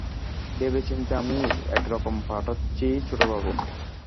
ভেবেচিন্তে আমিই একরকম পাঠাচ্ছি ছোটবাবু।